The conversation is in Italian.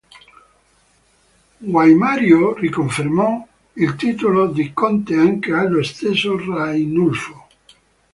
Guaimario riconfermò il titolo di Conte anche allo stesso Rainulfo.